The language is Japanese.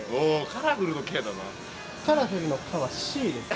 カラフルの「カ」は「Ｃ」です。